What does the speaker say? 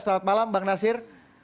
selamat malam bang nasir